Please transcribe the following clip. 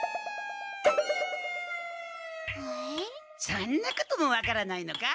そんなことも分からないのか？